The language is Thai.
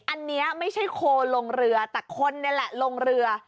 อันนี้ไม่ใช่โคลงเรือแต่คนนี่แหละลงเรือ